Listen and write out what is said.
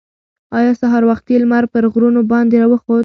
ایا سهار وختي لمر پر غرونو باندې راوخوت؟